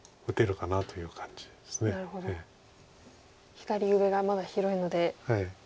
左上がまだ広いので。